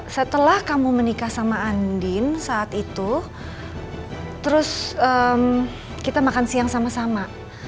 setelah kamu menikah sama andin saat itu terus kita makan siang sama sama